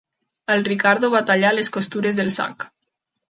En Ricardo va tallar les costures del sac.